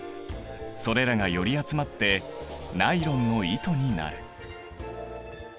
それらがより集まってナイロンの糸になる。